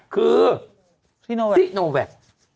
คือซิโนแวค